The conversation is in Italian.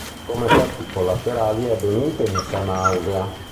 Come effetti collaterali ebbe un'intensa nausea.